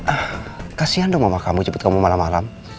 ah kasihan dong mama kamu jemput kamu malem malem